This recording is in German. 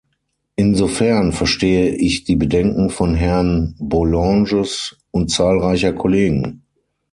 Insofern verstehe ich die Bedenken von Herrn Bourlanges und zahlreicher Kollegen.